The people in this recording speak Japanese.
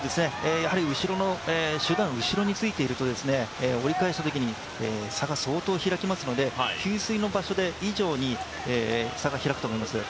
後ろの集団は後ろについていると、折り返すときに差が相当開きますので給水の場所で差がまた開くと思います。